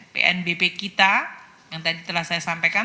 pnbp kita yang tadi telah saya sampaikan satu ratus lima puluh enam tujuh